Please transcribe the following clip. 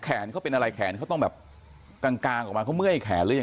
แขนเขาเป็นอะไรแขนเขาต้องกลางกลางกลางมาเค้าเมื่อยแขน